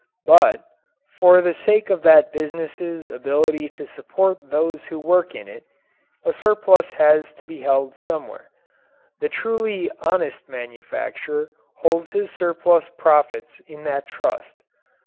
But, for the sake of that business's ability to support those who work in it, a surplus has to be held somewhere. The truly honest manufacturer holds his surplus profits in that trust.